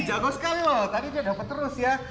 jago sekali loh tadi dia dapat terus ya